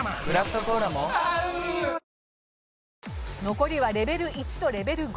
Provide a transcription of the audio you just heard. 残りはレベル１とレベル５。